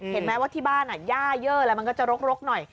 เห็นไหมว่าที่บ้านย่าเยอะแล้วมันก็จะรกหน่อย